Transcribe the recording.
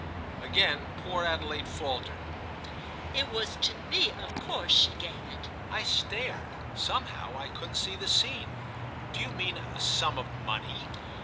Again poor Adelaide faltered. "It was to me of course she gave it." I stared; somehow I couldn't see the scene. "Do you mean a sum of money?"